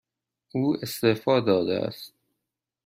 او استعفا داده است.